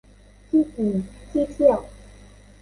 ที่กินที่เที่ยว